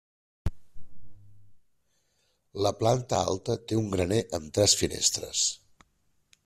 La planta alta té un graner amb tres finestres.